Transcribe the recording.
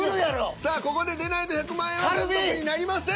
さあここで出ないと１００万円は獲得になりません。